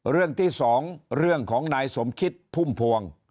เรื่องที่๒เรื่องของนายสมคิดพุ่มพวง